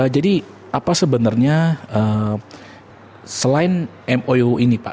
jadi apa sebenarnya selain mou ini pak